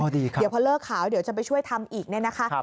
เดี๋ยวพอเลิกข่าวเดี๋ยวจะไปช่วยทำอีกเนี่ยนะคะ